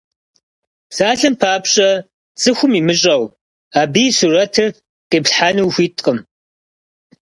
Псалъэм папщӏэ, цӏыхум имыщӏэу, абы и сурэтыр къиплъхьэну ухуиткъым.